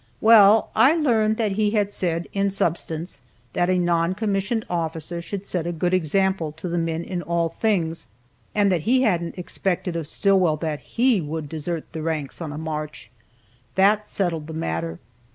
Well, I learned that he had said, in substance, that a non commissioned officer should set a good example to the men in all things, and that he hadn't expected of Stillwell that he would desert the ranks on a march. That settled the matter.